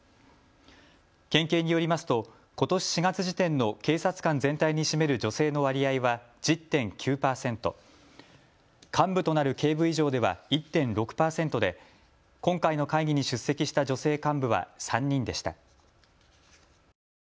県警によりますとことし４月時点の警察官全体に占める女性の割合は１０．９％、幹部となる警部以上では１．６％で今回の会議に出席した女性幹部は３人でした。